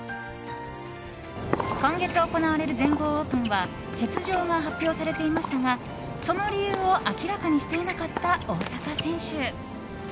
今月行われる全豪オープンは欠場が発表されていましたがその理由を明らかにしていなかった大坂選手。